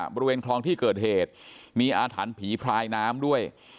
บริเวณคลองที่เกิดเหตุมีอาถรรพ์ผีพรายน้ำด้วย